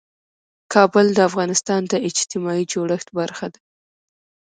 کابل د افغانستان د اجتماعي جوړښت برخه ده.